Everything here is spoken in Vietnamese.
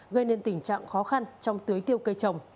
gây nên tình trạng khó khăn trong tưới tiêu cây trồng